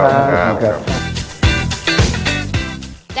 ขอบคุณครับ